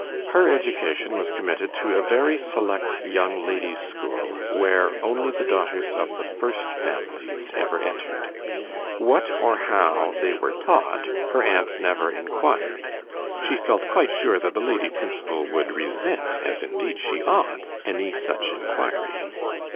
Her education was committed to a very select young ladies' school, where only the daughters of the first families ever entered. What or how they were taught, her aunt never inquired. She felt quite sure that the lady principal would resent, as indeed she ought, any such inquiry.